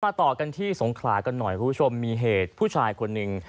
มาต่อกันที่สงขลากันหน่อยมีเหตุผู้ชายคนหนึ่ง